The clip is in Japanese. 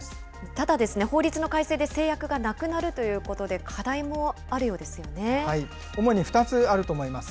ただ、法律の改正で制約がなくなるということで、課題もある主に２つあると思います。